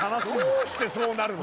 どうしてそうなるの？